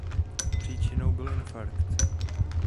Příčinou byl infarkt.